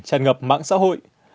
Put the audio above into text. tràn ngập mạng xã hội